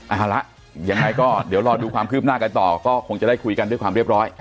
เอาละยังไงก็เดี๋ยวรอดูความคืบหน้ากันต่อก็คงจะได้คุยกันด้วยความเรียบร้อย